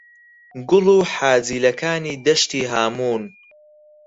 «گوڵ و حاجیلەکانی دەشتی هاموون»